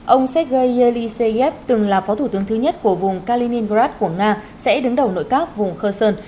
ông sergei yeliseyev từng là phó thủ tướng thứ nhất của vùng kaliningrad của nga sẽ đứng đầu nội các vùng khơ sơn